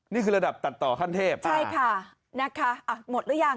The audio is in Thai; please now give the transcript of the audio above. นี่คือระดับตัดต่อขั้นเทพใช่ค่ะนะคะหมดหรือยัง